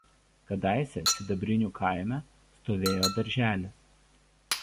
Kadaise Sidabrinių kaime stovėjo darželis.